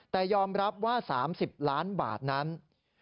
แต่ยอมรับว่า๓๐ล้านบาทนั้น